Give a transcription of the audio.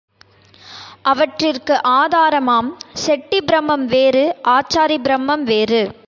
அவற்றிற்கு ஆதாரமாம் செட்டி பிரமம் வேறு, ஆச்சாரி பிரமம் வேறு.